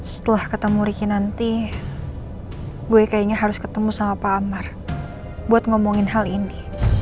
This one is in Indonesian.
setelah ketemu ricky nanti gue kayaknya harus ketemu sama pak amar buat ngomongin hal ini